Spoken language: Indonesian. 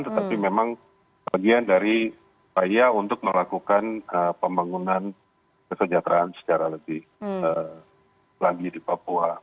tetapi memang bagian dari saya untuk melakukan pembangunan kesejahteraan secara lebih lagi di papua